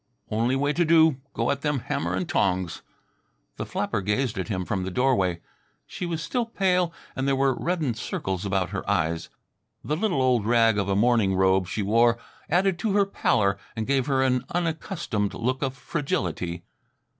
Only way to do go at them hammer and tongs! The flapper gazed at him from the doorway. She was still pale and there were reddened circles about her eyes. The little old rag of a morning robe she wore added to her pallor and gave her an unaccustomed look of fragility.